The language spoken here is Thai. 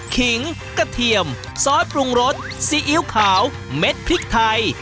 ขิงกระเทียมซอสปรุงรสซีอิ๊วขาวเม็ดพริกไทย